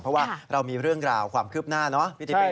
เพราะว่าเรามีเรื่องราวความคืบหน้าเนอะพี่ติเป๊ครับ